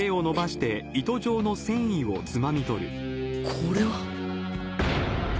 これは。